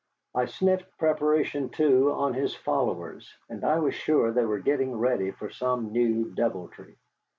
I sniffed preparation, too, on his followers, and I was sure they were getting ready for some new deviltry.